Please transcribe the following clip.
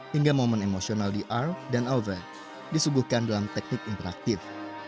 hingga momen emosional di art dan over disuguhkan dalam teknik interaktif